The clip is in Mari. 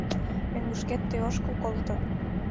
Мӧҥгышкет тый ошкыл колто».